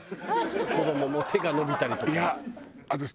子どもも手が伸びたりとか。